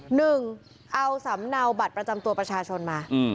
หนึ่งเอาสำเนาบัตรประจำตัวประชาชนมา